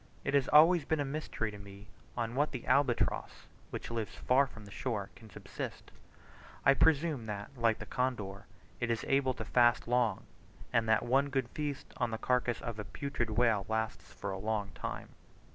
It has always been a mystery to me on what the albatross, which lives far from the shore, can subsist; I presume that, like the condor, it is able to fast long; and that one good feast on the carcass of a putrid whale lasts for a long time.